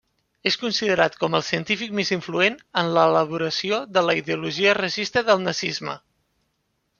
És considerat com el científic més influent en l'elaboració de la ideologia racista del nazisme.